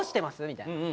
みたいな。